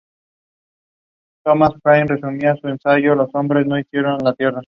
Fue maestro de capilla y organista de la capilla San Andrea de Mantua.